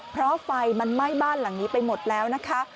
เพราะไฟมันไหม้บ้านหลังนี้ไปหมดแล้วนะคะ